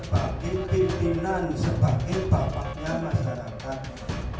yaitu sebagai pimpinan sebagai papaknya masyarakat